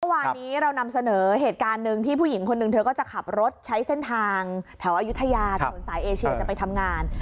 วันนี้เรานำเสนอเหตุการณ์หนึ่งที่ผู้หญิงคนหนึ่งเธอก็จะขับรถใช้เส้นทางแถวอายุทยาถนนสายเอเชียจะไปทำงาน